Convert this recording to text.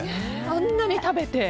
あんなに食べて。